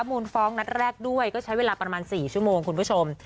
มูลฟ้องนัดแรกด้วยก็ใช้เวลาประมาณ๔ชั่วโมงคุณผู้ชม